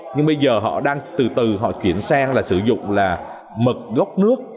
nhưng bây giờ họ đang từ từ họ chuyển sang là sử dụng là mật gốc nước